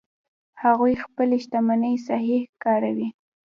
هغوی خپلې شتمنۍ صحیح کاروي